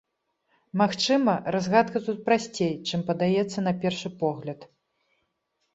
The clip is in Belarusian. Магчыма, разгадка тут прасцей, чым падаецца на першы погляд.